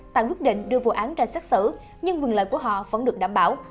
tại quyết định đưa vụ án ra xét xử nhưng quyền lợi của họ vẫn được đảm bảo